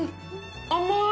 甘い！